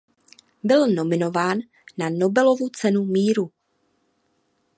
Byl nominován na Nobelovu cenu míru.